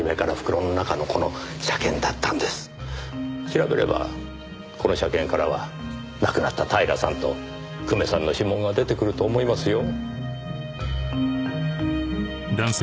調べればこの車券からは亡くなった平さんと久米さんの指紋が出てくると思いますよ。